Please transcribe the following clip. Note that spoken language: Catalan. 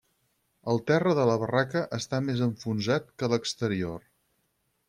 El terra de la barraca està més enfonsat que l'exterior.